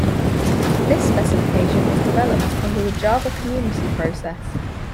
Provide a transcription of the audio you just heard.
This specification was developed under the Java Community Process.